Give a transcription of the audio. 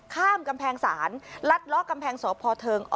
ข้ามกำแพงศาลลัดเลาะกำแพงสพเทิง